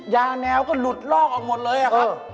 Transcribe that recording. แนวก็หลุดลอกออกหมดเลยอะครับ